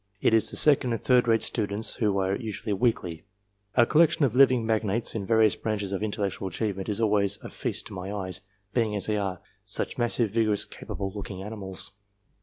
It is the second and third rate students who are usually weakly. A collection of living magnates in various branches of intellectual achievement is always a feast to my eyes ; being, as they are, such massive, vigor ous, capable looking animals.